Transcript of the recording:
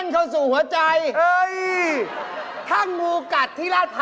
พวกพี่